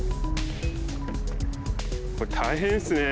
これ大変ですね。